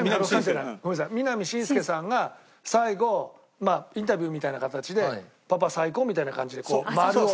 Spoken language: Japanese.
三波伸介さんが最後まあインタビューみたいな形で「パパ最高」みたいな感じでこう周りを。